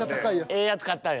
ええやつ買ったんや。